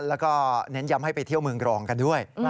แล้วก็เน้นย้ำให้ไปเที่ยวเมืองกรองกันด้วย